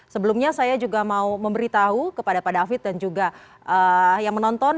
sebelumnya saya juga mau memberitahu kepada pak david dan juga yang menonton